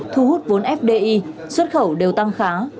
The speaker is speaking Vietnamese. thu hút vốn fdi xuất khẩu đều tăng khá